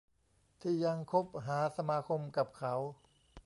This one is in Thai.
ที่ยังคบหาสมาคมกับเขา